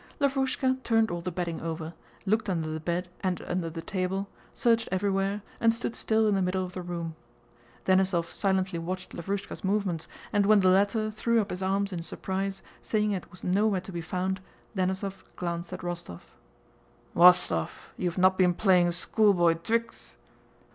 Lavrúshka turned all the bedding over, looked under the bed and under the table, searched everywhere, and stood still in the middle of the room. Denísov silently watched Lavrúshka's movements, and when the latter threw up his arms in surprise saying it was nowhere to be found Denísov glanced at Rostóv. "Wostóv, you've not been playing schoolboy twicks..."